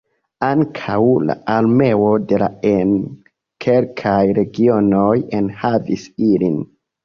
Ankaŭ la armeo de la en kelkaj regionoj enhavis ilin.